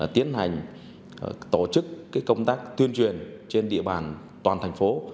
tiến hành tổ chức công tác tuyên truyền trên địa bàn toàn thành phố